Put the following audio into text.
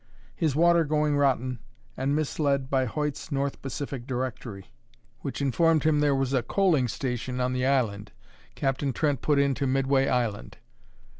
his water going rotten, and misled by Hoyt's North Pacific Directory, which informed him there was a coaling station on the island, Captain Trent put in to Midway Island.